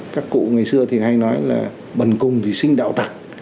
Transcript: các cụ ngày xưa thì hay nói là bần cung thì sinh đạo tặc